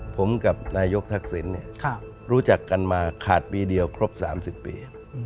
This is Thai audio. ผมกับนายกทักษิณรู้จักกันมาขาดปีเดียวครบ๓๐ปี